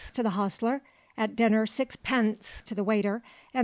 to the hostler, at dinner 6d. to the waiter and 3d.